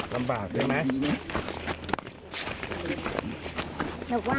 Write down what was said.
ลำบากลำบากใช่ไหม